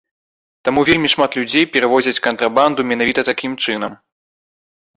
Таму вельмі шмат людзей перавозяць кантрабанду менавіта такім чынам.